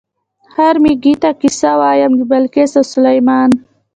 "هر مېږي ته قصه وایم د بلقیس او سلیمان".